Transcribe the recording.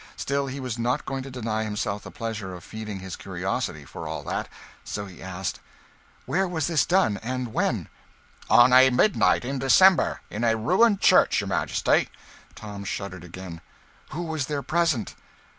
Still, he was not going to deny himself the pleasure of feeding his curiosity for all that; so he asked "Where was this done? and when?" "On a midnight in December, in a ruined church, your Majesty." Tom shuddered again. "Who was there present?"